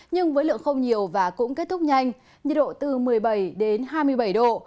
nhưng với lượng không nhiều và cũng kết thúc nhanh nhiệt độ từ một mươi bảy đến hai mươi bảy độ